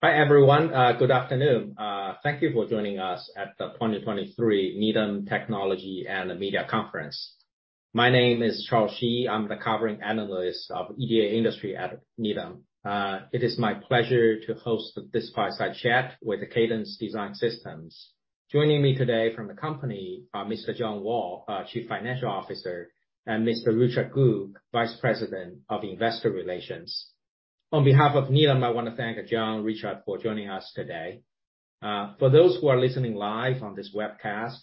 Hi, everyone. Good afternoon. Thank you for joining us at the 2023 Needham Technology & Media Conference. My name is Charles Shi, I'm the covering analyst of EDA industry at Needham. It is my pleasure to host this fireside chat with the Cadence Design Systems. Joining me today from the company are Mr. John Wall, our Chief Financial Officer, and Mr. Richard Gu, Vice President of Investor Relations. On behalf of Needham, I wanna thank John, Richard for joining us today. For those who are listening live on this webcast,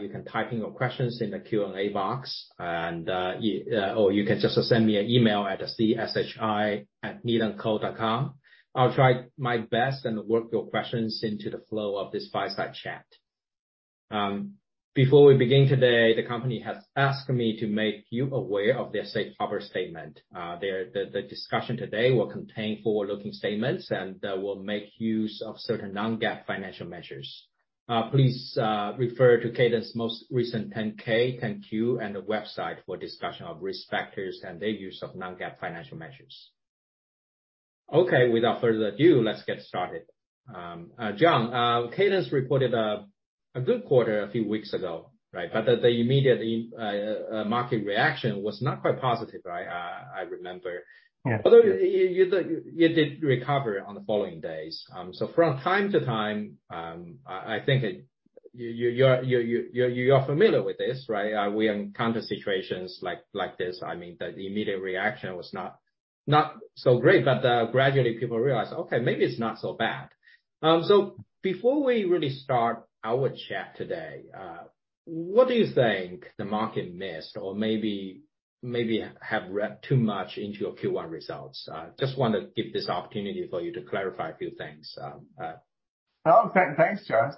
you can type in your questions in the Q and A box and, or you can just send me an email at cshi@needhamco.com. I'll try my best and work your questions into the flow of this fireside chat. Before we begin today, the company has asked me to make you aware of their safe harbor statement. The discussion today will contain forward-looking statements and will make use of certain non-GAAP financial measures. Please refer to Cadence most recent 10-K, 10-Q, and the website for discussion of risk factors and their use of non-GAAP financial measures. Without further ado, let's get started. John, Cadence reported a good quarter a few weeks ago, right? Yeah. The immediate market reaction was not quite positive, right? I remember. Yeah. Although you did recover on the following days. From time to time, I think it. You're familiar with this, right? We encounter situations like this. I mean, the immediate reaction was not so great, but gradually people realized, okay, maybe it's not so bad. Before we really start our chat today, what do you think the market missed or maybe have read too much into your Q1 results? Just wanna give this opportunity for you to clarify a few things. Thanks, Charles.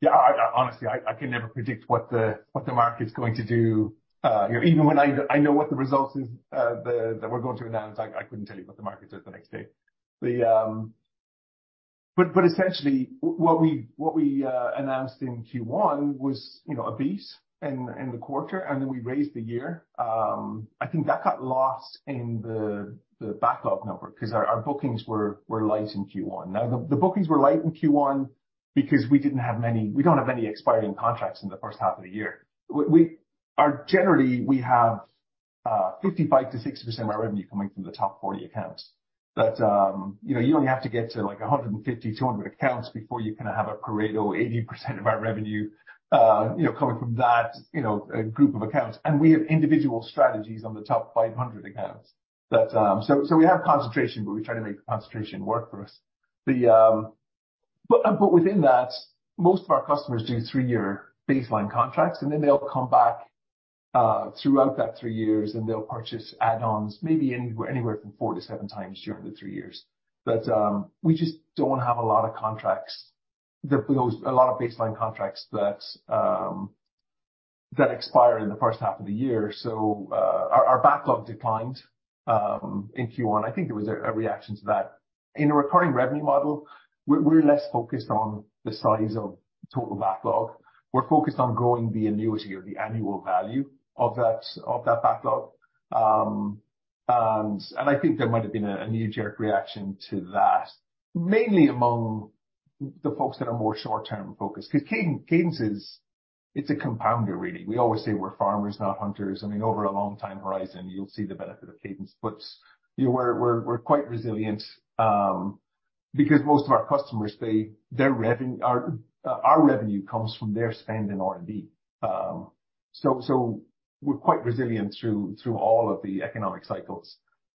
Yeah, honestly, I can never predict what the market's going to do. Even when I know what the results is, that we're going to announce, I couldn't tell you what the market does the next day. Essentially what we announced in Q1 was, you know, a beat in the quarter, and then we raised the year. I think that got lost in the backlog number 'cause our bookings were light in Q1. Now, the bookings were light in Q1 because we don't have any expiring contracts in the first half of the year. We are. Generally, we have 55%-60% of our revenue coming from the top 40 accounts. You know, you only have to get to like 150, 200 accounts before you kind of have a Pareto 80% of our revenue, you know, coming from that, you know, group of accounts. We have individual strategies on the top 500 accounts. We have concentration, but we try to make the concentration work for us. Within that, most of our customers do three year baseline contracts, and then they'll come back throughout that three years, and they'll purchase add-ons maybe anywhere from 4-7 times during the three years. We just don't have a lot of contracts, a lot of baseline contracts that expire in the first half of the year. Our backlog declined in Q1. I think it was a reaction to that. In a recurring revenue model, we're less focused on the size of total backlog. We're focused on growing the annuity or the annual value of that backlog. I think there might have been a knee-jerk reaction to that, mainly among the folks that are more short-term focused. 'Cause Cadence is, it's a compounder really. We always say we're farmers, not hunters. I mean, over a long time horizon, you'll see the benefit of Cadence. You know, we're quite resilient because most of our customers, Our revenue comes from their spend in R&D. We're quite resilient through all of the economic cycles.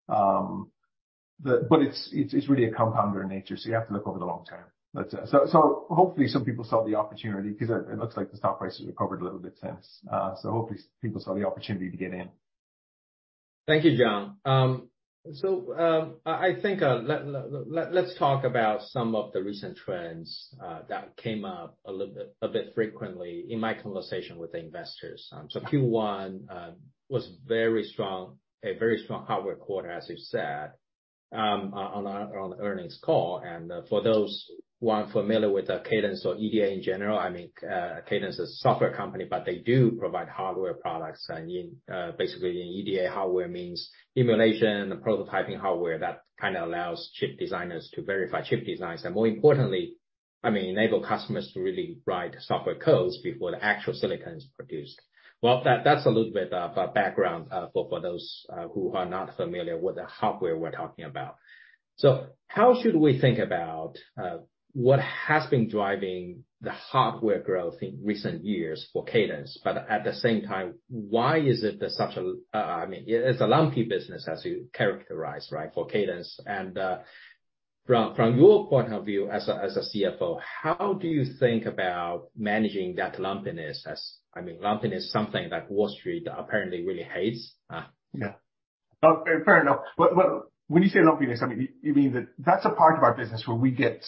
It's really a compounder in nature, so you have to look over the long term. Hopefully some people saw the opportunity 'cause it looks like the stock price has recovered a little bit since. Hopefully some people saw the opportunity to get in. Thank you, John. I think, let's talk about some of the recent trends that came up a little bit frequently in my conversation with the investors. Q1 was very strong, a very strong hardware quarter, as you said, on our, on the earnings call. For those who aren't familiar with Cadence or EDA in general, I mean, Cadence is a software company, but they do provide hardware products. In, basically in EDA, hardware means emulation and prototyping hardware that kind of allows chip designers to verify chip designs, and more importantly, I mean, enable customers to really write software codes before the actual silicon is produced. Well, that's a little bit of background for those who are not familiar with the hardware we're talking about. How should we think about what has been driving the hardware growth in recent years for Cadence? At the same time, why is it that such a, I mean, it's a lumpy business as you characterize, right, for Cadence. From your point of view as a CFO, how do you think about managing that lumpiness as, I mean, lumpiness something that Wall Street apparently really hates? Yeah. Fair enough. When you say lumpiness, I mean, you mean that that's a part of our business where we get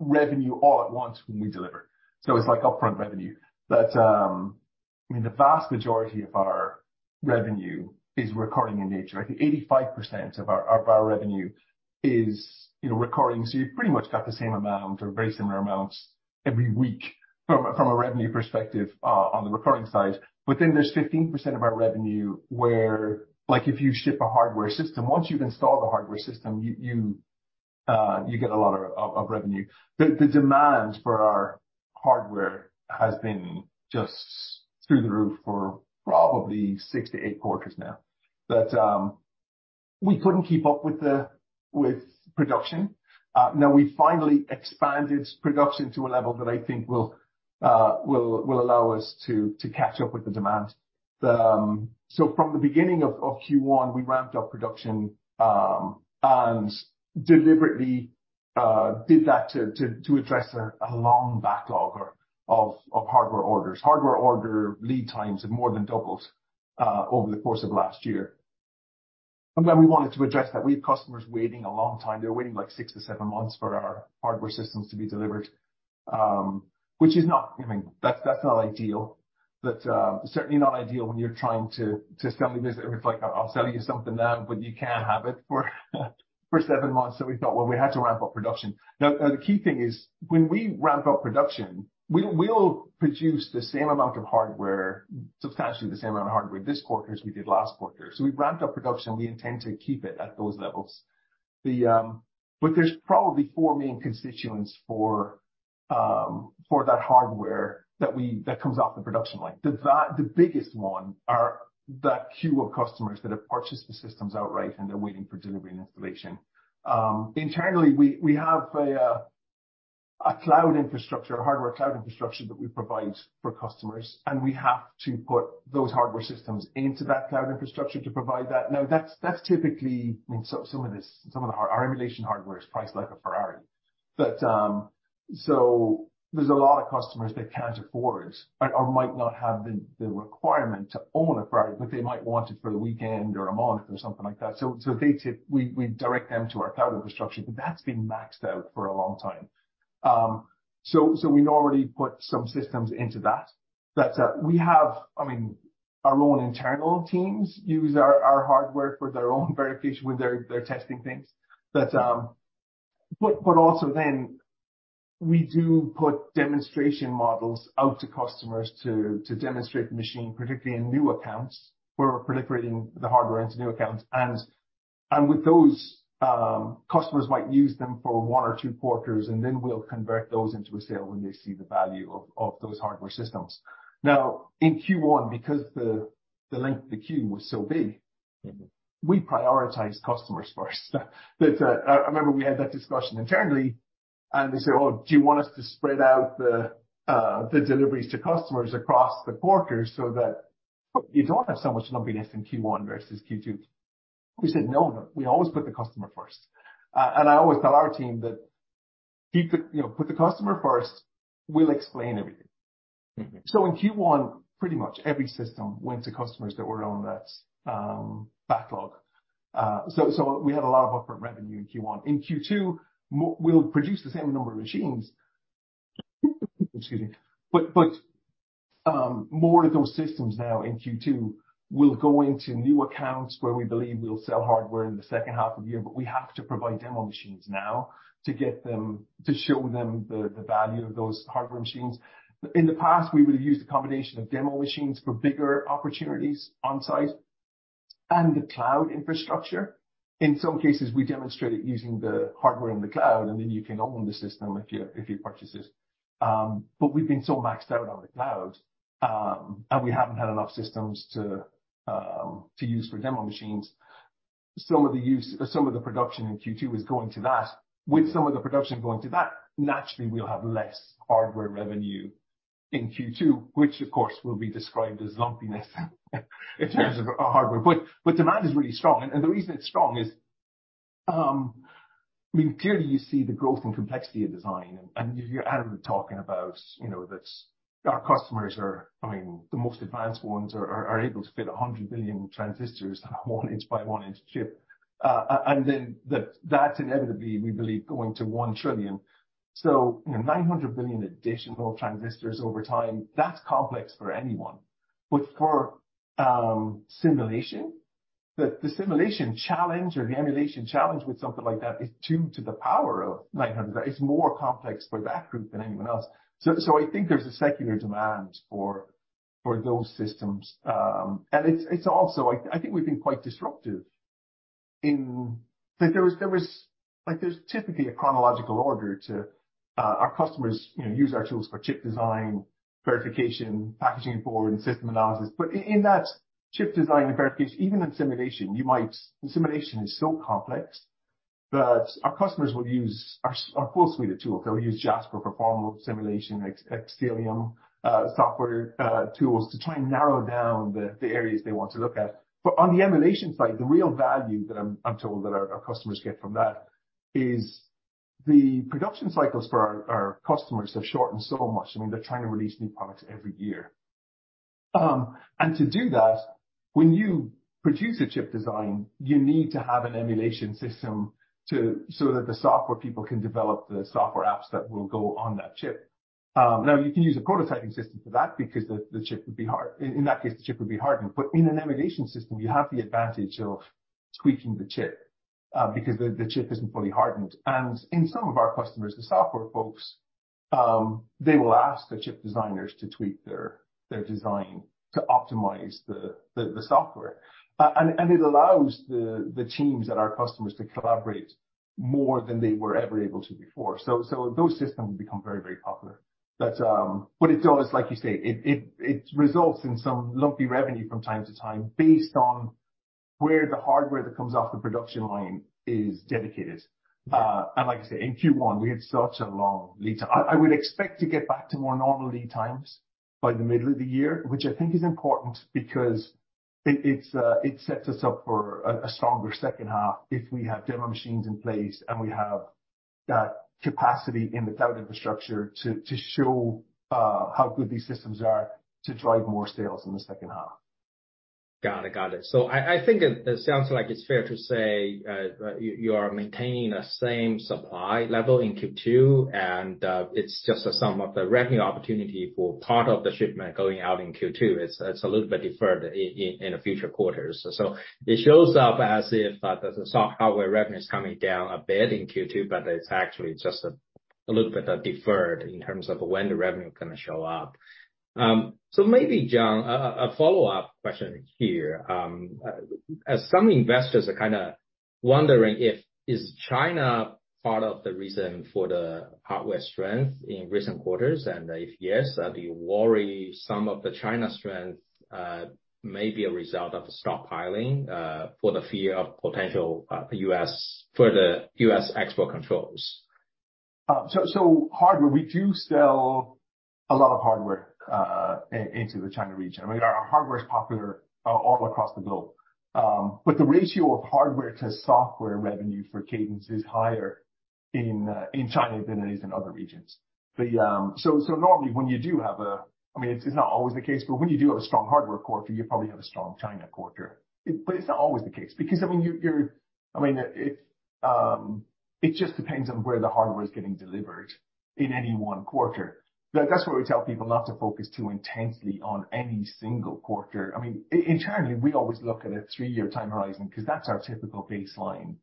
revenue all at once when we deliver. It's like upfront revenue. I mean, the vast majority of our revenue is recurring in nature. I think 85% of our, of our revenue is, you know, recurring, so you've pretty much got the same amount or very similar amounts every week from a, from a revenue perspective on the recurring side. There's 15% of our revenue where, like if you ship a hardware system, once you've installed the hardware system, you get a lot of revenue. The demand for our hardware has been just through the roof for probably 6-8 quarters now. We couldn't keep up with production. Now we finally expanded production to a level that I think will allow us to catch up with the demand. From the beginning of Q1, we ramped up production, and deliberately did that to address a long backlogger of hardware orders. Hardware order lead times have more than doubled over the course of last year. We wanted to address that. We have customers waiting a long time. They're waiting like six to seven months for our hardware systems to be delivered. Which is not. I mean, that's not ideal. Certainly not ideal when you're trying to just tell the visitor, it's like, "I'll sell you something now, but you can't have it for seven months." We thought, well, we had to ramp up production. The key thing is when we ramp up production, we'll produce the same amount of hardware, substantially the same amount of hardware this quarter as we did last quarter. We ramped up production. We intend to keep it at those levels. There's probably four main constituents for that hardware that comes off the production line. The biggest one are that queue of customers that have purchased the systems outright, and they're waiting for delivery and installation. Internally, we have a cloud infrastructure, a hardware cloud infrastructure that we provide for customers, and we have to put those hardware systems into that cloud infrastructure to provide that. That's typically, I mean, some of this, some of our emulation hardware is priced like a Ferrari. There's a lot of customers that can't afford or might not have the requirement to own a Ferrari, but they might want it for the weekend or a month or something like that. We direct them to our cloud infrastructure, but that's been maxed out for a long time. We'd already put some systems into that. We have, I mean, our own internal teams use our hardware for their own verification when they're testing things. Also then we do put demonstration models out to customers to demonstrate the machine, particularly in new accounts. We're proliferating the hardware into new accounts. With those, customers might use them for one or two quarters, and then we'll convert those into a sale when they see the value of those hardware systems. In Q1, because the length, the queue was so big, we prioritized customers first. I remember we had that discussion internally, and they said, "Well, do you want us to spread out the deliveries to customers across the quarters so that you don't have so much lumpiness in Q1 versus Q2?" We said, "No, we always put the customer first." I always tell our team that, "Keep the, you know, put the customer first. We'll explain everything. Mm-hmm. In Q1, pretty much every system went to customers that were on that backlog. We had a lot of upfront revenue in Q1. In Q2, we'll produce the same number of machines. Excuse me. More of those systems now in Q2 will go into new accounts where we believe we'll sell hardware in the second half of the year, but we have to provide demo machines now to show them the value of those hardware machines. In the past, we would have used a combination of demo machines for bigger opportunities on-site and the cloud infrastructure. In some cases, we demonstrated using the hardware in the cloud, and then you can own the system if you purchase it. But we've been so maxed out on the cloud, and we haven't had enough systems to use for demo machines. Some of the production in Q2 is going to that. With some of the production going to that, naturally, we'll have less hardware revenue in Q2, which of course will be described as lumpiness in terms of our hardware. But demand is really strong. The reason it's strong is, I mean, clearly you see the growth and complexity of design. You hear Adam talking about, you know, that's our customers are, I mean, the most advanced ones are able to fit 100 billion transistors on a 1-inch-by-1-inch chip. That's inevitably, we believe, going to 1 trillion. You know, 900 billion additional transistors over time, that's complex for anyone. For simulation, the simulation challenge or the emulation challenge with something like that is two to the power of 900 billion. It's more complex for that group than anyone else. I think there's a secular demand for those systems. It's also I think we've been quite disruptive in, like, there was, like, there's typically a chronological order to our customers, you know, use our tools for chip design, verification, packaging it forward, and system analysis. In that chip design and verification, even in simulation, you might, simulation is so complex that our customers will use our full suite of tools. They'll use Jasper for formal simulation, like Axiem, software tools to try and narrow down the areas they want to look at. On the emulation side, the real value that I'm told that our customers get from that is the production cycles for our customers have shortened so much. I mean, they're trying to release new products every year. To do that, when you produce a chip design, you need to have an emulation system so that the software people can develop the software apps that will go on that chip. Now you can use a prototyping system for that because the chip would be hard. In that case, the chip would be hardened. In an emulation system, you have the advantage of tweaking the chip because the chip isn't fully hardened. In some of our customers, the software folks, they will ask the chip designers to tweak their design to optimize the software. It allows the teams and our customers to collaborate more than they were ever able to before. Those systems become very, very popular. It does, like you say, it results in some lumpy revenue from time to time based on where the hardware that comes off the production line is dedicated. Like I say, in Q1, we had such a long lead time. I would expect to get back to more normal lead times by the middle of the year, which I think is important because it sets us up for a stronger second half if we have demo machines in place and we have that capacity in the cloud infrastructure to show how good these systems are to drive more sales in the second half. Got it. Got it. I think it sounds like it's fair to say, you are maintaining the same supply level in Q2, and it's just a sum of the revenue opportunity for part of the shipment going out in Q2. It's a little bit deferred in the future quarters. It shows up as if the software revenue is coming down a bit in Q2, but it's actually just a little bit deferred in terms of when the revenue gonna show up. Maybe, John, a follow-up question here. As some investors are kinda wondering if is China part of the reason for the hardware strength in recent quarters, and if yes, are you worried some of the China strength, may be a result of the stockpiling, for the fear of potential, U.S., further U.S. export controls? So hardware, we do sell a lot of hardware into the China region. I mean, our hardware is popular all across the globe. The ratio of hardware to software revenue for Cadence is higher in China than it is in other regions. Normally, I mean, it's not always the case, but when you do have a strong hardware quarter, you probably have a strong China quarter. It's not always the case because I mean, it just depends on where the hardware is getting delivered in any one quarter. That's why we tell people not to focus too intensely on any single quarter. I mean, internally, we always look at a three year time horizon because that's our typical baseline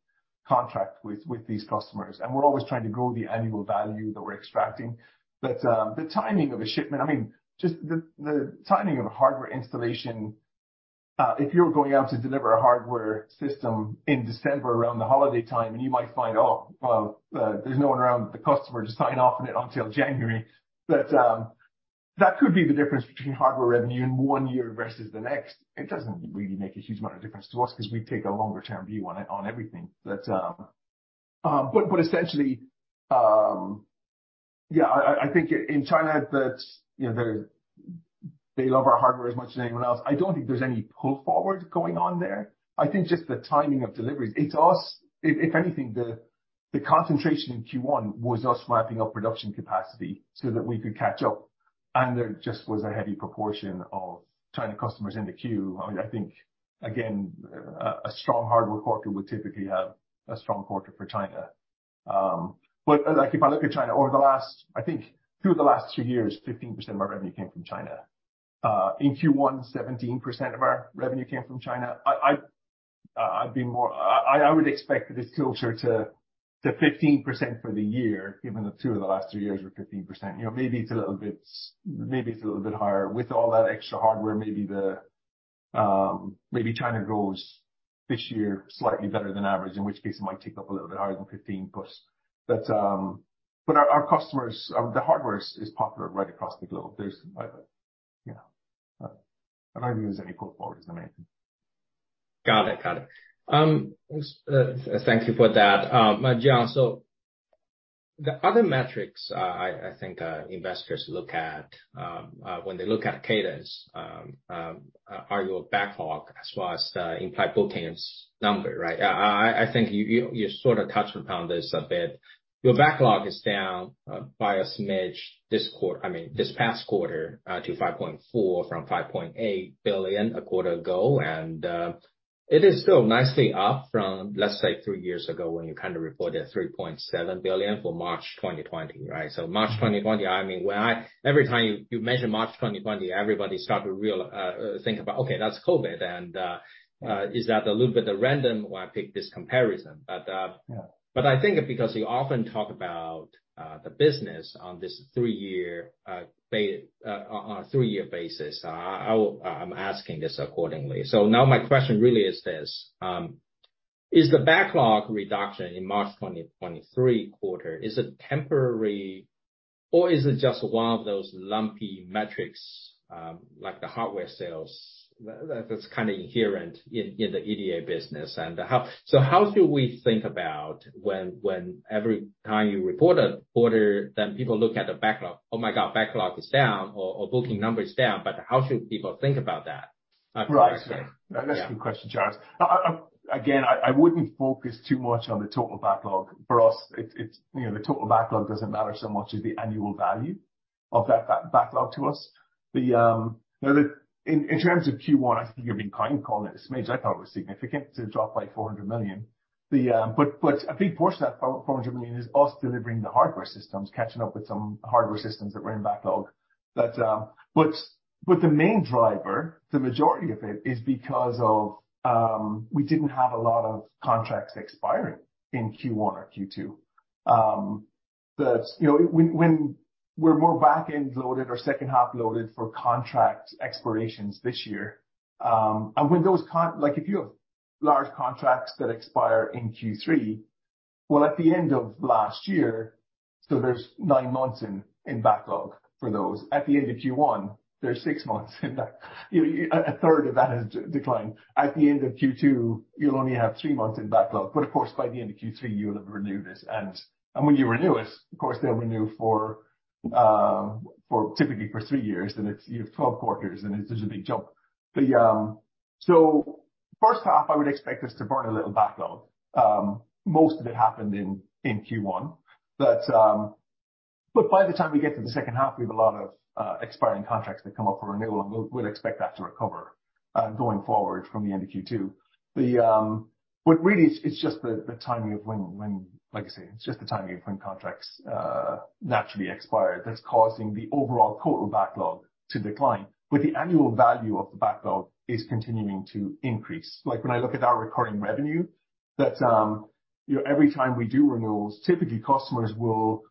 contract with these customers, and we're always trying to grow the annual value that we're extracting. But, the timing of a shipment, I mean, just the timing of a hardware installation, if you're going out to deliver a hardware system in December around the holiday time, and you might find, oh, well, there's no one around. The customer is not signing off on it until January. But, that could be the difference between hardware revenue in one year versus the next. It doesn't really make a huge amount of difference to us because we take a longer-term view on it, on everything. Essentially, yeah, I think in China that, you know, they love our hardware as much as anyone else. I don't think there's any pull forward going on there. I think just the timing of deliveries. If anything, the concentration in Q1 was us ramping up production capacity so that we could catch up, and there just was a heavy proportion of China customers in the queue. I think, again, a strong hardware quarter would typically have a strong quarter for China. like if I look at China over the last, I think, through the last three years, 15% of our revenue came from China. in Q1, 17% of our revenue came from China. I would expect it is closer to 15% for the year, given that two of the last three years were 15%. You know, maybe it's a little bit higher. With all that extra hardware, maybe the, maybe China grows this year slightly better than average, in which case it might tick up a little bit higher than 15+. Our, our customers, the hardware is popular right across the globe. There's, you know, I don't use any pull forward as anything. Got it. Got it. Thank you for that. John, the other metrics I think investors look at when they look at Cadence are your backlog as well as the implied bookings number, right? I think you sort of touched upon this a bit. Your backlog is down by a smidge this quarter, I mean, this past quarter, to $5.4 billion from $5.8 billion a quarter ago. It is still nicely up from, let's say, three years ago when you kind of reported $3.7 billion for March 2020, right? March 2020, every time you mention March 2020, everybody start to real think about, okay, that's COVID and is that a little bit random why I pick this comparison. Yeah. I think because you often talk about the business on this three-year on a three-year basis, I'm asking this accordingly. Now my question really is this, is the backlog reduction in March 2023 quarter, is it temporary, or is it just one of those lumpy metrics, like the hardware sales that's kind of inherent in the EDA business? How should we think about when every time you report a quarter, then people look at the backlog, oh my god, backlog is down or booking number is down, but how should people think about that? Right. Yeah. That's a good question, Charles. Again, I wouldn't focus too much on the total backlog. For us, it's, you know, the total backlog doesn't matter so much as the annual value of that backlog to us. Now, in terms of Q1, I think you're being kind calling it a smidge. I thought it was significant to drop by $400 million. But a big portion of that $400 million is us delivering the hardware systems, catching up with some hardware systems that were in backlog. But the main driver, the majority of it is because of, we didn't have a lot of contracts expiring in Q1 or Q2. You know, when we're more back-end loaded or second-half loaded for contract expirations this year, like if you have large contracts that expire in Q3, well, at the end of last year, so there's nine months in backlog for those. At the end of Q1, there's six months in that you declined. At the end of Q2, you'll only have three months in backlog. Of course, by the end of Q3 you'll have renewed it. When you renew it, of course, they'll renew for, typically for three years, you have 12 quarters, and it's just a big jump. First half, I would expect us to burn a little backlog. Most of it happened in Q1. By the time we get to the second half, we have a lot of expiring contracts that come up for renewal, and we'll expect that to recover going forward from the end of Q2. Really it's just the timing of when, like I say, it's just the timing of when contracts naturally expire that's causing the overall total backlog to decline. The annual value of the backlog is continuing to increase. Like, when I look at our recurring revenue that, you know, every time we do renewals, typically customers will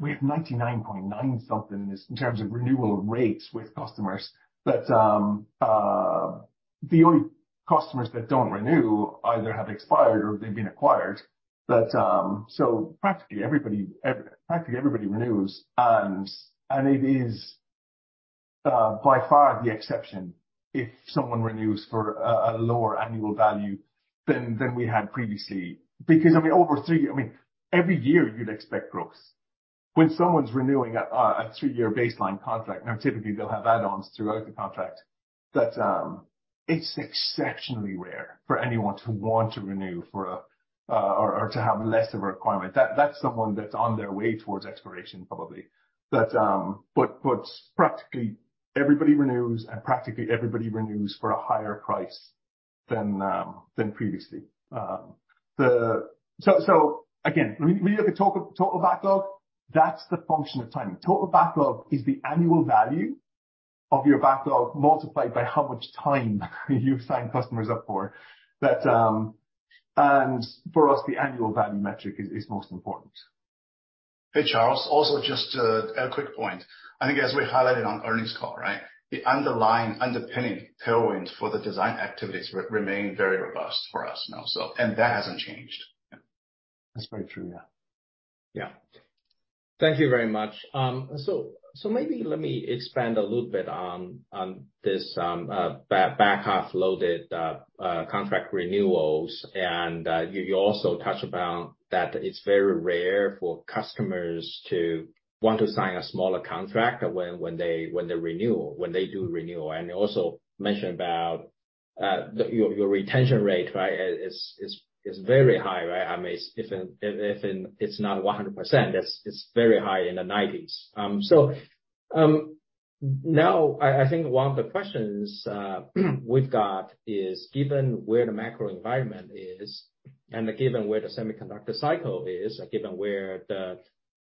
we have 99.9 something in this, in terms of renewal rates with customers. The only customers that don't renew either have expired or they've been acquired. Practically everybody renews, and it is by far the exception if someone renews for a lower annual value than we had previously. I mean, every year you'd expect growth. When someone's renewing a three year baseline contract, now typically they'll have add-ons throughout the contract, it's exceptionally rare for anyone to want to renew for or to have less of a requirement. That's someone that's on their way towards expiration probably. Practically everybody renews, and practically everybody renews for a higher price than previously. Again, when you look at total backlog, that's the function of timing. Total backlog is the annual value of your backlog multiplied by how much time you've signed customers up for. For us, the annual value metric is most important. Hey, Charles, also just a quick point. I think as we highlighted on earnings call, right, the underlying underpinning tailwinds for the design activities remain very robust for us now, so and that hasn't changed. That's very true, yeah. Yeah. Thank you very much. Maybe let me expand a little bit on this back half loaded contract renewals. You also touched about that it's very rare for customers to want to sign a smaller contract when they renew, when they do renewal. You also mentioned about your retention rate, right? Is very high, right? I mean, if it's not 100%, it's very high in the 90s. Now I think one of the questions we've got is given where the macro environment is and given where the semiconductor cycle is, given where the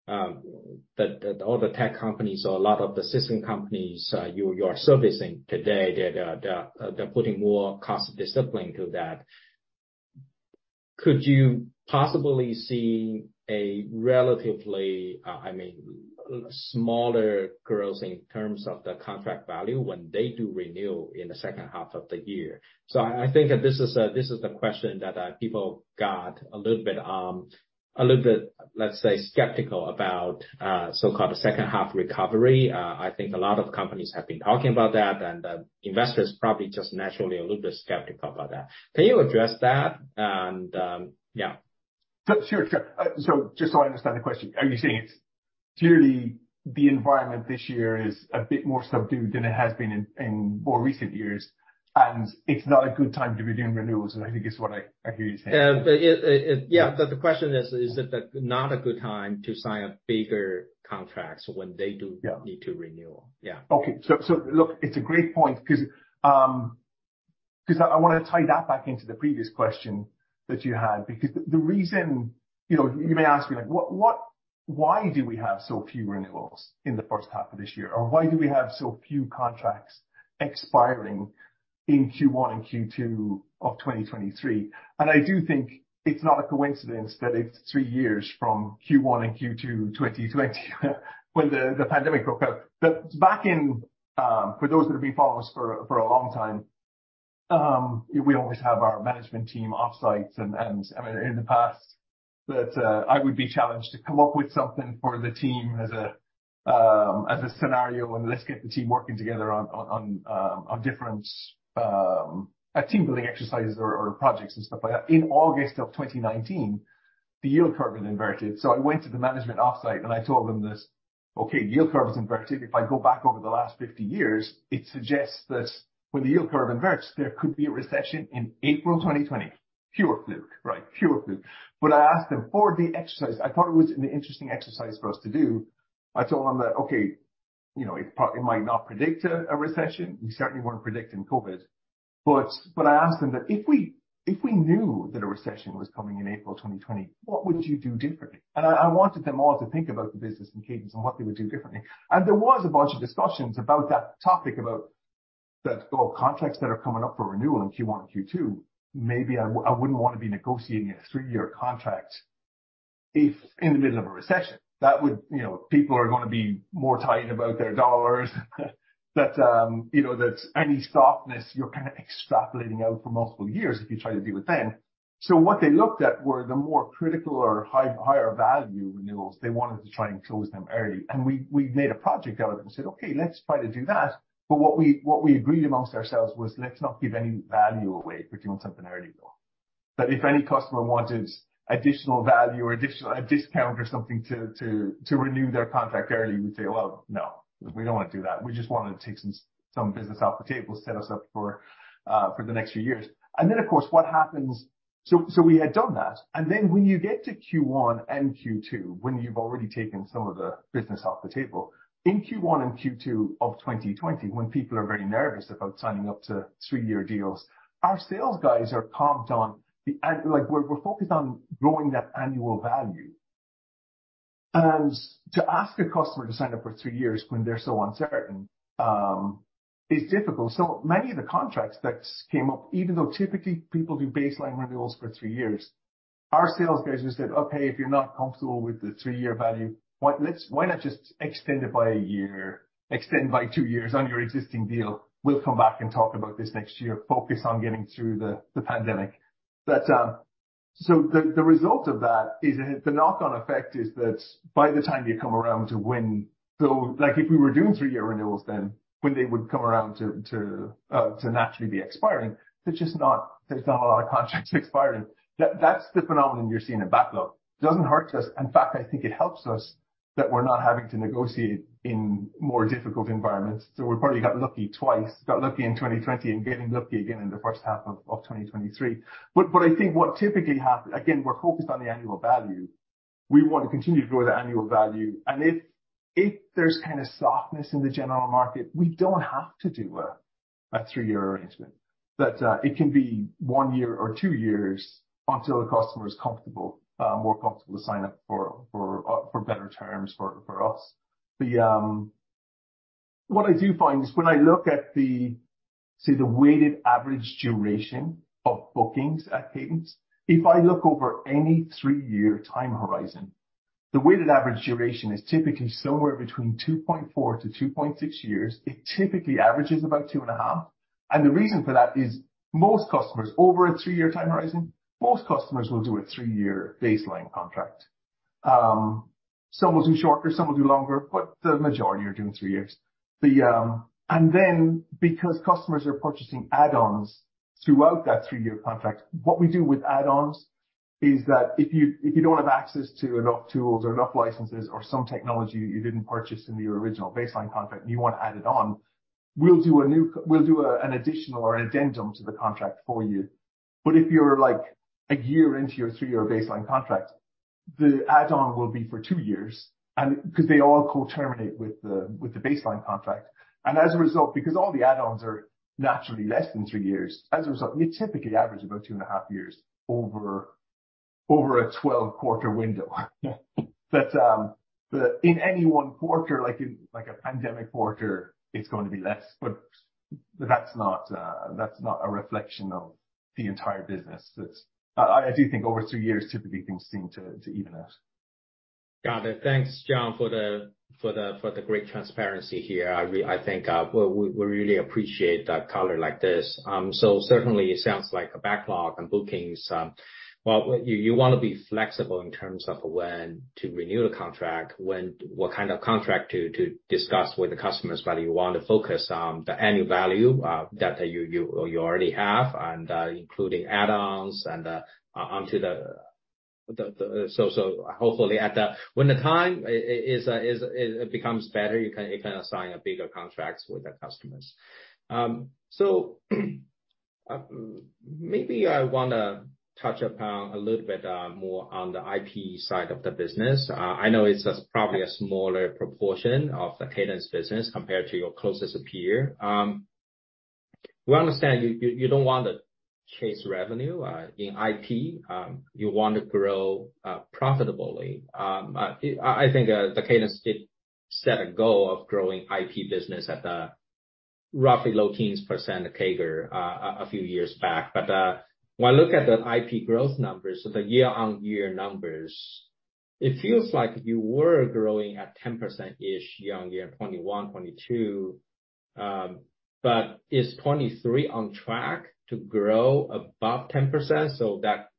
all the tech companies or a lot of the system companies you are servicing today, they're putting more cost discipline to that. Could you possibly see a relatively, I mean, smaller growth in terms of the contract value when they do renew in the second half of the year? I think that this is the question that people got a little bit, let's say, skeptical about so-called second half recovery. I think a lot of companies have been talking about that, the investors probably just naturally a little bit skeptical about that. Can you address that? Yeah. Sure. Sure. Just so I understand the question, are you saying it's clearly the environment this year is a bit more subdued than it has been in more recent years, and it's not a good time to be doing renewals, I think is what I hear you saying? Yeah. Yeah. The question is it a not a good time to sign up bigger contracts when they— Yeah. Need to renew? Yeah. Okay. Look, it's a great point 'cause I wanna tie that back into the previous question that you had because the reason, you know, you may ask me like, why do we have so few renewals in the first half of this year? Or why do we have so few contracts expiring in Q1 and Q2 of 2023? I do think it's not a coincidence that it's three years from Q1 and Q2 2020 when the pandemic broke out. Back in, for those that have been following us for a long time, we always have our management team off-site and I mean, in the past that I would be challenged to come up with something for the team as a scenario and let's get the team working together on different team-building exercises or projects and stuff like that. In August of 2019, the yield curve had inverted. I went to the management off-site and I told them this, "Okay, yield curve is inverted. If I go back over the last 50 years, it suggests that when the yield curve inverts, there could be a recession in April 2020." Pure fluke, right? Pure fluke. I asked them for the exercise. I thought it was an interesting exercise for us to do. I told them that, "Okay, you know, it might not predict a recession." We certainly weren't predicting COVID. I asked them that if we knew that a recession was coming in April 2020, what would you do differently? I wanted them all to think about the business and Cadence and what they would do differently. There was a bunch of discussions about that topic about that all contracts that are coming up for renewal in Q1 and Q2, maybe I wouldn't want to be negotiating a three year contract if in the middle of a recession. That would, you know, people are gonna be more tight about their dollars. That, you know, that any softness you're kinda extrapolating out for multiple years if you try to do it then. What they looked at were the more critical or higher value renewals, they wanted to try and close them early. We made a project out of it and said, "Okay, let's try to do that." What we agreed amongst ourselves was, let's not give any value away if we're doing something early, though. That if any customer wanted additional value or a discount or something to renew their contract early, we'd say, "Well, no. We don't wanna do that." We just wanna take some business off the table, set us up for the next few years. Of course, what happens? We had done that, when you get to Q1 and Q2, when you've already taken some of the business off the table, in Q1 and Q2 of 2020, when people are very nervous about signing up to three year deals, our sales guys are parked on the. We're focused on growing that annual value. To ask a customer to sign up for three years when they're so uncertain, is difficult. Many of the contracts that came up, even though typically people do baseline renewals for three years, our sales guys just said, "Okay, if you're not comfortable with the three year value, why not just extend it by one year, extend by two years on your existing deal? We'll come back and talk about this next year, focus on getting through the pandemic. The result of that is the knock-on effect is that by the time you come around to when if we were doing three year renewals then when they would come around to naturally be expiring, there's just not a lot of contracts expiring. That's the phenomenon you're seeing in backlog. Doesn't hurt us. In fact, I think it helps us that we're not having to negotiate in more difficult environments. We probably got lucky twice, got lucky in 2020 and getting lucky again in the first half of 2023. I think what typically happens. Again, we're focused on the annual value. We want to continue to grow the annual value. If there's kinda softness in the general market, we don't have to do a three year arrangement. That it can be one year or two years until the customer is comfortable, more comfortable to sign up for better terms for us. What I do find is when I look at the, say, the weighted average duration of bookings at Cadence, if I look over any three year time horizon, the weighted average duration is typically somewhere between 2.4-2.6 years. It typically averages about two and a half. The reason for that is most customers over a three year time horizon will do a three year baseline contract. Some will do shorter, some will do longer, but the majority are doing three years. Because customers are purchasing add-ons throughout that three-year contract, what we do with add-ons is that if you, if you don't have access to enough tools or enough licenses or some technology you didn't purchase in your original baseline contract and you want to add it on, we'll do an additional or an addendum to the contract for you. If you're like a year into your three-year baseline contract, the add-on will be for two years and because they all co-terminate with the, with the baseline contract. As a result, because all the add-ons are naturally less than three years, as a result, you typically average about 2.5 years over a 12-quarter window. The, in any one quarter, like in, like a pandemic quarter, it's going to be less. That's not, that's not a reflection of the entire business. That's I do think over three years, typically things seem to even out. Got it. Thanks, John, for the great transparency here. I think we really appreciate that color like this. Certainly it sounds like a backlog and bookings. Well, you wanna be flexible in terms of when to renew the contract, when, what kind of contract to discuss with the customers, whether you want to focus on the annual value that you already have and including add-ons and onto the so hopefully at the, when the time is, it becomes better, you can sign a bigger contracts with the customers. Maybe I wanna touch upon a little bit more on the IP side of the business. I know it's a, probably a smaller proportion of the Cadence business compared to your closest peer. We understand you don't want to chase revenue in IP. You want to grow profitably. I think the Cadence did set a goal of growing IP business at a roughly low teens % CAGR a few years back. When I look at the IP growth numbers, so the year-on-year numbers, it feels like you were growing at 10%-ish year-on-year in 2021, 2022. Is 2023 on track to grow above 10% so that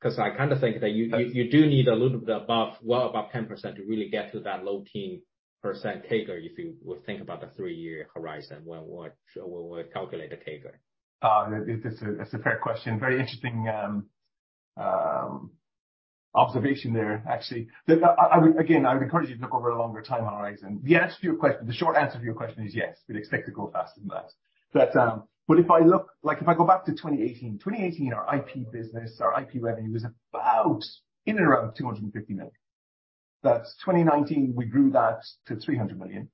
'cause I kinda think that you do need a little bit above, well above 10% to really get to that low teen % CAGR, if you would think about the three-year horizon when we're, when we calculate the CAGR? That's a, that's a fair question. Very interesting observation there, actually. I would, again, encourage you to look over a longer time horizon. The answer to your question, the short answer to your question is yes, we'd expect to grow faster than that. If I look, like if I go back to 2018, our IP business, our IP revenue was about in and around $250 million. That's 2019 we grew that to $300 million.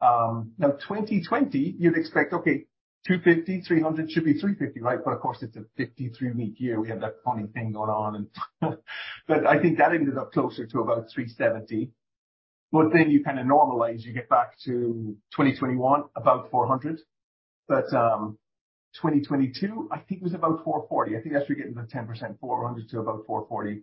Now 2020, you'd expect, okay, 250, 300 should be 350, right? Of course, it's a 53-week year. We had that funny thing going on and but I think that ended up closer to about $370. Then you kind of normalize, you get back to 2021, about $400. 2022, I think it was about $440. I think that's where you get into the 10%, $400 to about $440.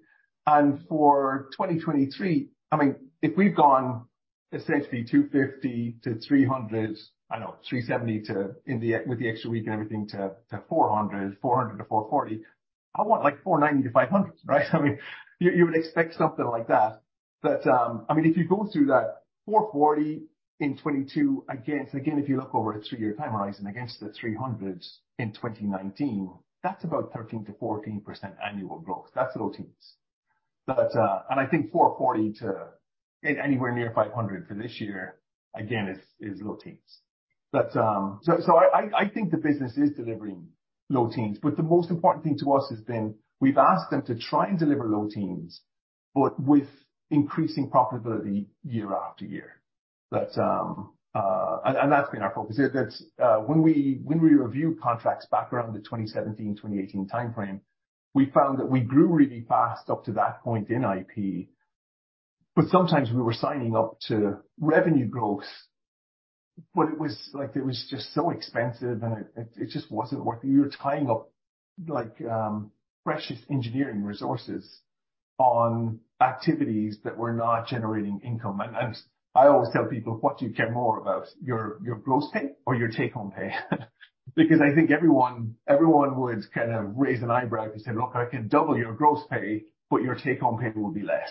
For 2023, I mean, if we've gone essentially $250-$300, I know $370 to in the with the extra week and everything to $400, $400-$440, I want like $490-$500, right? I mean, you would expect something like that. I mean, if you go through that $440 in 2022 again, if you look over a three year time horizon against the $300 in 2019, that's about 13%-14% annual growth. That's low teens. I think $440 to anywhere near $500 for this year, again, is low teens. I think the business is delivering low teens, but the most important thing to us has been we've asked them to try and deliver low teens, but with increasing profitability year after year. That's been our focus. That's, when we review contracts back around the 2017, 2018 timeframe, we found that we grew really fast up to that point in IP, but sometimes we were signing up to revenue growth. It was like, it was just so expensive, and it just wasn't working. We were tying up like, precious engineering resources on activities that were not generating income. I always tell people, "What do you care more about, your gross pay or your take-home pay?" I think everyone would kind of raise an eyebrow if you said, "Look, I can double your gross pay, but your take-home pay will be less."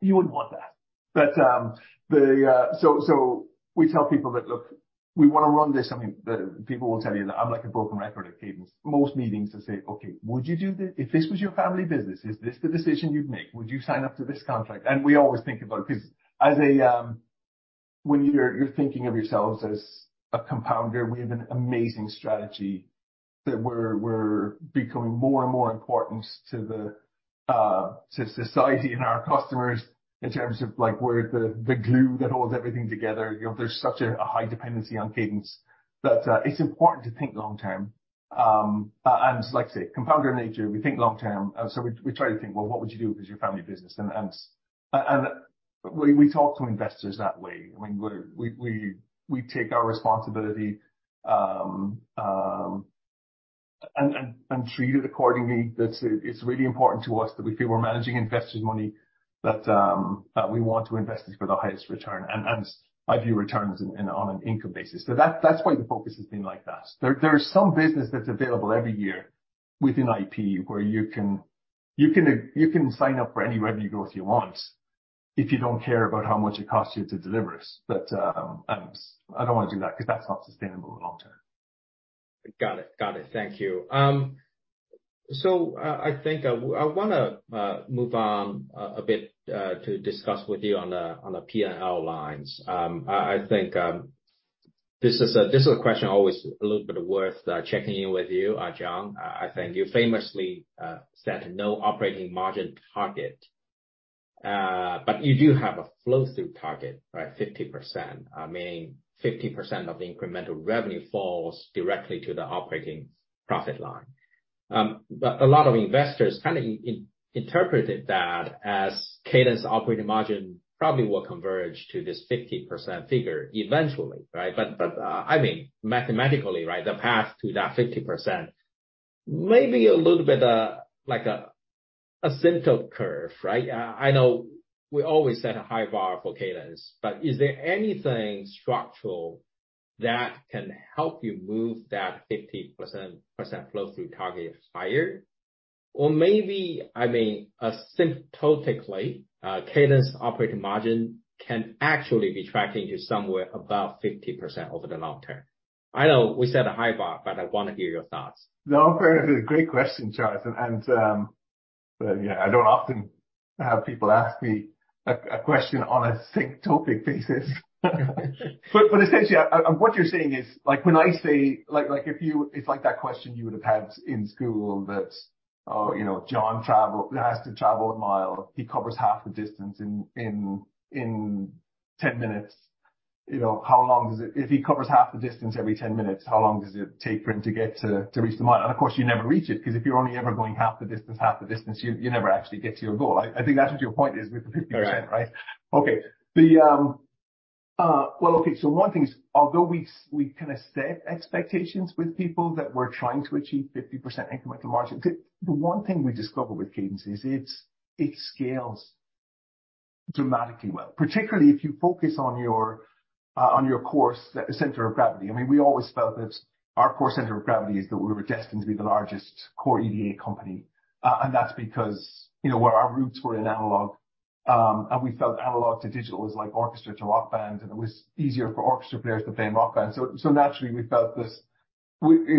You wouldn't want that. We tell people that, look, we wanna run this. I mean, people will tell you that I'm like a broken record at Cadence. Most meetings I say, "Okay, would you do if this was your family business, is this the decision you'd make? Would you sign up to this contract?" We always think about it because as a, when you're thinking of yourselves as a compounder, we have an amazing strategy that we're becoming more and more important to the, to society and our customers in terms of like we're the glue that holds everything together. You know, there's such a high dependency on Cadence that, it's important to think long term. Like I say, compounder nature, we think long term. We, we try to think, well, what would you do if it was your family business? We, we talk to investors that way. I mean, we take our responsibility, and treat it accordingly. That's it. It's really important to us that we feel we're managing investors' money, that we want to invest it for the highest return. I view returns in, on an income basis. That's why the focus has been like that. There is some business that's available every year within IP where you can sign up for any revenue growth you want if you don't care about how much it costs you to deliver it. I don't wanna do that because that's not sustainable long term. Got it. Got it. Thank you. I think I wanna move on a bit to discuss with you on the PNL lines. I think this is a, this is a question always a little bit worth checking in with you, John. I think you famously set no operating margin target, but you do have a flow-through target, right, 50%, meaning 50% of the incremental revenue falls directly to the operating profit line. A lot of investors kind of interpreted that as Cadence operating margin probably will converge to this 50% figure eventually, right? I mean, mathematically, right, the path to that 50% may be a little bit like a asymptotic curve, right? I know we always set a high bar for Cadence. Is there anything structural that can help you move that 50% flow-through target higher? Maybe, I mean, asymptotically, Cadence operating margin can actually be tracking to somewhere above 50% over the long term. I know we set a high bar, but I wanna hear your thoughts. No, great question, Charles. But yeah, I don't often have people ask me a question on asymptotic basis. Essentially, what you're saying is like, when I say, like, it's like that question you would have had in school that, oh, you know, John has to travel a mile. He covers half the distance in 10 minutes. You know, how long does it if he covers half the distance every 10 minutes, how long does it take for him to get to reach the mile? Of course, you never reach it, because if you're only ever going half the distance, half the distance, you never actually get to your goal. I think that's what your point is with the 50%, right? Right. Okay. The, well, okay, one thing is, although we kind of set expectations with people that we're trying to achieve 50% incremental margin, the one thing we discover with Cadence is it's, it scales dramatically well, particularly if you focus on your core center of gravity. I mean, we always felt that our core center of gravity is that we were destined to be the largest core EDA company. That's because, you know, where our roots were in analog, and we felt analog to digital is like orchestra to rock band, and it was easier for orchestra players to play in rock band. Naturally, we felt it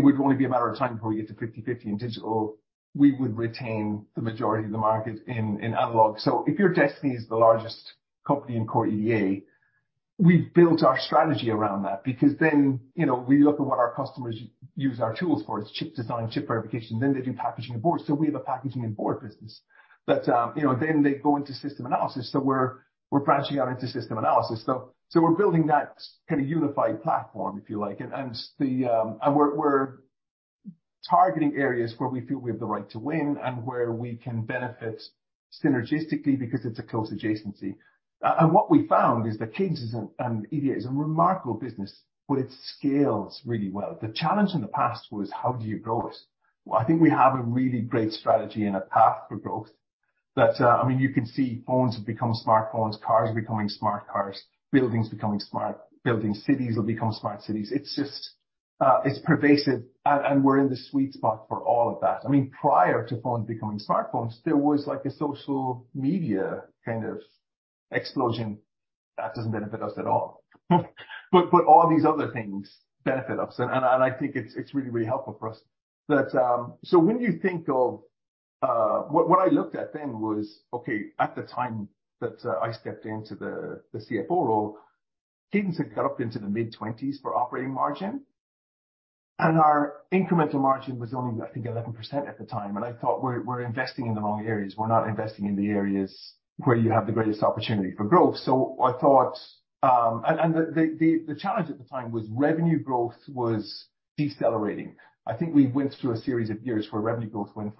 would only be a matter of time before we get to 50/50 in digital. We would retain the majority of the market in analog. If your destiny is the largest company in core EDA-We've built our strategy around that because then, you know, we look at what our customers use our tools for. It's chip design, chip verification, then they do packaging and board. We have a packaging and board business that, you know, then they go into system analysis. We're branching out into system analysis. We're building that kind of unified platform, if you like. We're targeting areas where we feel we have the right to win and where we can benefit synergistically because it's a close adjacency. What we found is that Cadence is an, EDA is a remarkable business, but it scales really well. The challenge in the past was how do you grow it? I think we have a really great strategy and a path for growth that, I mean you can see phones have become smartphones, cars are becoming smart cars, buildings becoming smart buildings, cities will become smart cities. It's just, it's pervasive and we're in the sweet spot for all of that. I mean, prior to phones becoming smartphones, there was like a social media kind of explosion that doesn't benefit us at all. All these other things benefit us and I think it's really, really helpful for us. When you think of what I looked at then was, okay, at the time that I stepped into the CFO role, Cadence had got up into the mid-20s for operating margin, and our incremental margin was only I think 11% at the time. I thought, we're investing in the wrong areas. We're not investing in the areas where you have the greatest opportunity for growth. I thought, the challenge at the time was revenue growth was decelerating. I think we went through a series of years where revenue growth went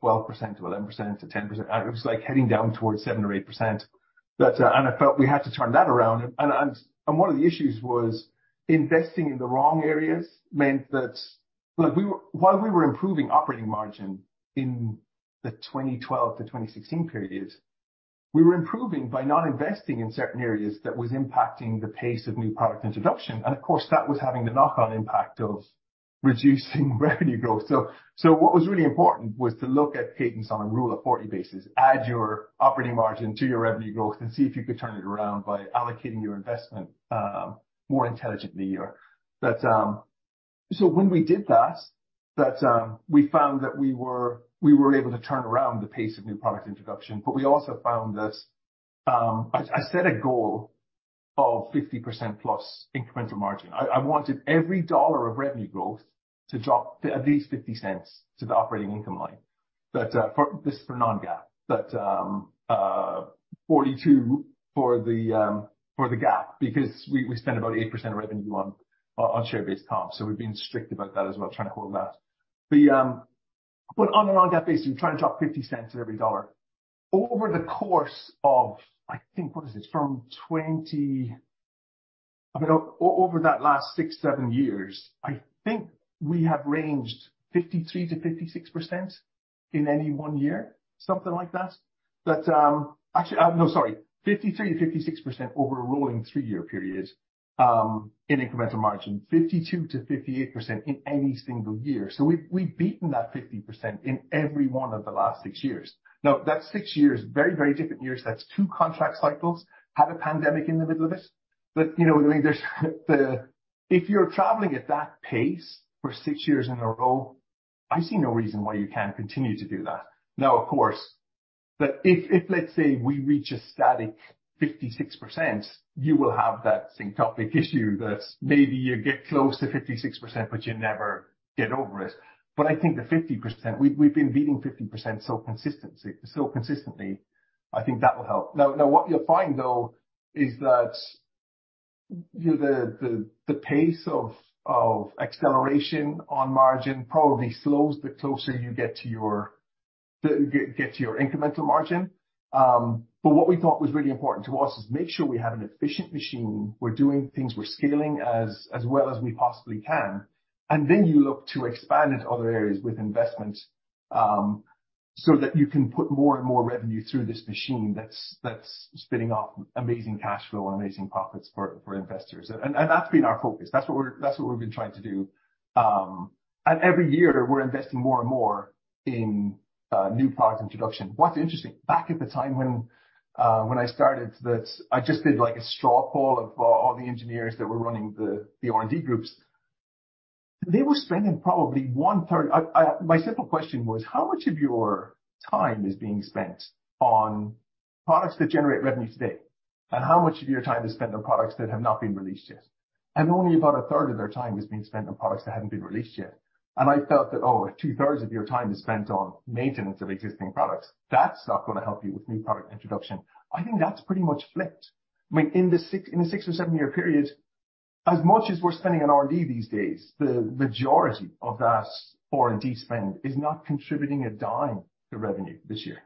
from like 12% to 11% to 10%. It was like heading down towards 7% or 8%. I felt we had to turn that around. One of the issues was investing in the wrong areas meant that, look, while we were improving operating margin in the 2012-2016 periods, we were improving by not investing in certain areas that was impacting the pace of new product introduction. Of course, that was having the knock-on impact of reducing revenue growth. What was really important was to look at Cadence on a Rule of 40 basis, add your operating margin to your revenue growth, and see if you could turn it around by allocating your investment more intelligently. When we did that, we found that we were able to turn around the pace of new product introduction. We also found that I set a goal of 50% plus incremental margin. I wanted every dollar of revenue growth to drop at least $0.50 to the operating income line. This is for non-GAAP, 42 for the GAAP because we spend about 8% of revenue on share-based comp. We've been strict about that as well, trying to hold that. On a non-GAAP basis, we try to drop $0.50 for every $1. Over the course of what is it? Over that last six, seven years, we have ranged 53%-56% in any one year. 53%-56% over a rolling three-year period in incremental margin, 52%-58% in any single year. We've beaten that 50% in every one of the last six years. That's six years, very different years. That's two contract cycles. Had a pandemic in the middle of it. You know, if you're traveling at that pace for six years in a row, I see no reason why you can't continue to do that. Of course, but if let's say we reach a static 56%, you will have that asymptotic issue that maybe you get close to 56%, but you never get over it. I think the 50%, we've been beating 50% so consistently, I think that will help. What you'll find though is that, you know, the pace of acceleration on margin probably slows the closer you get to your incremental margin. What we thought was really important to us is make sure we have an efficient machine. We're doing things, we're scaling as well as we possibly can. Then you look to expand into other areas with investment, so that you can put more and more revenue through this machine that's spinning off amazing cash flow and amazing profits for investors. That's been our focus. That's what we've been trying to do. Every year we're investing more and more in new product introduction. What's interesting, back at the time when I started this, I just did like a straw poll of all the engineers that were running the R&D groups. They were spending probably one-third. My simple question was, how much of your time is being spent on products that generate revenue today? How much of your time is spent on products that have not been released yet? Only about a third of their time is being spent on products that hadn't been released yet. I felt that, if two-thirds of your time is spent on maintenance of existing products, that's not gonna help you with new product introduction. I think that's pretty much flipped. I mean, in the six or seven-year period, as much as we're spending on R&D these days, the majority of that R&D spend is not contributing a dime to revenue this year.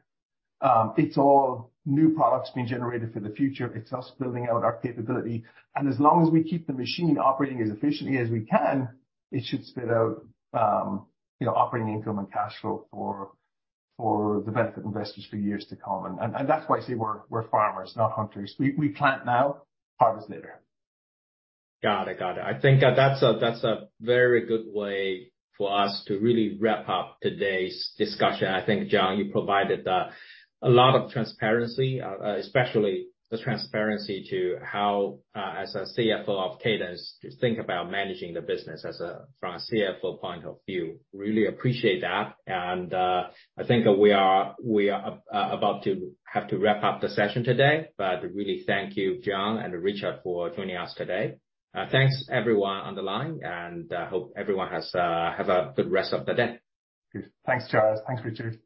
It's all new products being generated for the future. It's us building out our capability. As long as we keep the machine operating as efficiently as we can, it should spit out, you know, operating income and cash flow for the benefit of investors for years to come. That's why I say we're farmers, not hunters. We plant now, harvest later. Got it. Got it. I think that's a very good way for us to really wrap up today's discussion. I think, John, you provided a lot of transparency, especially the transparency to how as a CFO of Cadence, you think about managing the business from a CFO point of view. Really appreciate that. I think we are about to have to wrap up the session today. Really thank you, John and Richard for joining us today. Thanks everyone on the line and hope everyone has a good rest of the day. Good. Thanks, Charles. Thanks, Richard.